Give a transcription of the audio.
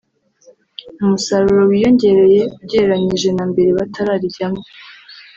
umusaruro wiyongereye ugereranyije na mbere batararijyamo